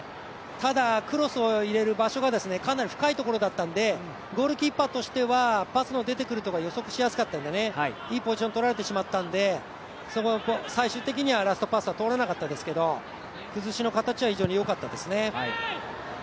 ただ、クロスを入れる場所がかなり深いところだったのでゴールキーパーとしてはパスが出てくるところを予測しやすかったんでいいポジションとられてしまったんで最終的にはラストパスは通らなかったですけど崩しの形は、非常によかったですね